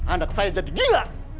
anak saya jadi gila